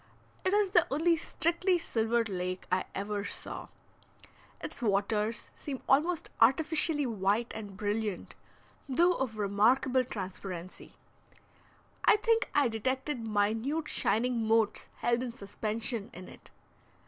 It is the only strictly silver lake I ever saw. Its waters seem almost artificially white and brilliant, though of remarkable transparency. I think I detected minute shining motes held in suspension in it.